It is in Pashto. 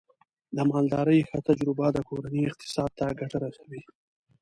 د مالدارۍ ښه تجربه د کورنۍ اقتصاد ته ګټه رسوي.